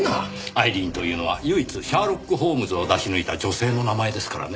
アイリーンというのは唯一シャーロック・ホームズを出し抜いた女性の名前ですからね。